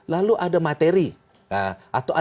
lalu ada matematika